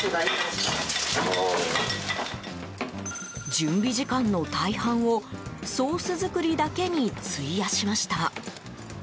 準備時間の大半をソース作りだけに費やしました。